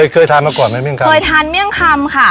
เคยทานมาก่อนไหมเมี่ยคำเคยทานเมี่ยงคำค่ะ